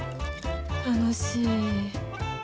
楽しい。